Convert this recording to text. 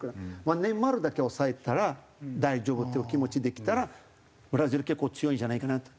ネイマールだけ抑えたら大丈夫っていう気持ちできたらブラジル結構強いんじゃないかなと。